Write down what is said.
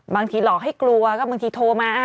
บางทีหลอกให้กลัวก็บางทีโทรมา